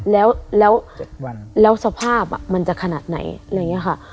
แล้วแล้วแล้วสภาพมันจะขนาดไหนอะไรอย่างเงี้ยค่ะ